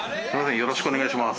よろしくお願いします。